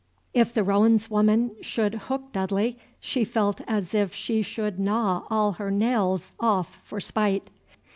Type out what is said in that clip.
If the Rowens woman should hook Dudley, she felt as if she should gnaw all her nails off for spite.